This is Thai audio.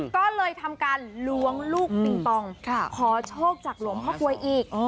ก็เลยทำการล้วงลูกปิงปองขอโชคจากหลวงพ่อกลวยอีก